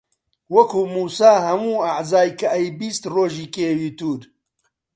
وەکوو مووسا هەموو ئەعزای کە ئەیبیست ڕۆژی کێوی توور